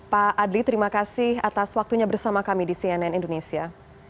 pak adli terima kasih atas waktunya bersama kami di cnn indonesia